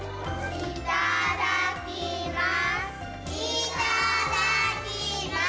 いただきます。